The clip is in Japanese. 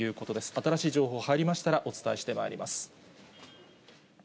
新しい情報入りましたら、お伝えしてまいります。